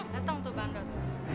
dateng tuh bandot